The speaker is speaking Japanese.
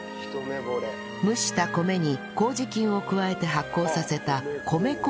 蒸した米に麹菌を加えて発酵させた米麹と